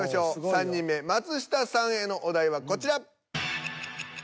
３人目松下さんへのお題はこちら。